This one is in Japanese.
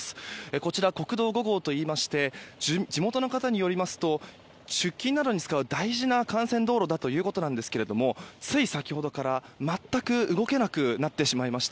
こちら、国道５号といいまして地元の方によりますと出勤などに使う大事な幹線道路だということですがつい先ほどから、全く動けなくなってしまいました。